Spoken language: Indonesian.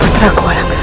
putraku alang semesta